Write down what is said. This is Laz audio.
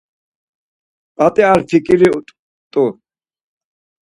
P̌at̆i ar fiǩiri rt̆u.